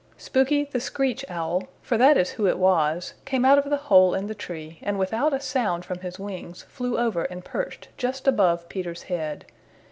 Spooky the Screech Owl, for that is who it was, came out of the hole in the tree and without a sound from his wings flew over and perched just above Peter's head.